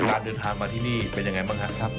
การเดินทางมาที่นี่เป็นยังไงบ้างครับ